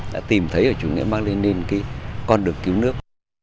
đã tìm thấy ở chủ nghĩa mạc lê ninh cái con đường cứu nước